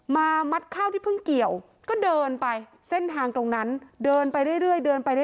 มามัดข้าวที่เพิ่งเกี่ยวก็เดินไปเส้นทางตรงนั้นเดินไปเรื่อยเดินไปเรื